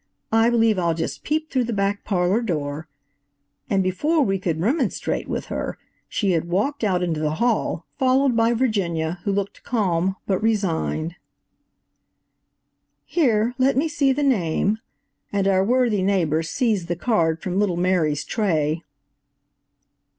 I believe I'll just peep through the back parlor door," and before we could remonstrate with her, she had walked out into the hall, followed by Virginia, who looked calm but resigned. "Here, let me see the name," and our worthy neighbor seized the card from little Mary's tray.